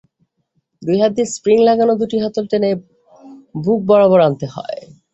দুই হাত দিয়ে স্প্রিং লাগানো দুটি হাতল টেনে বুকবরাবর আনতে হয়।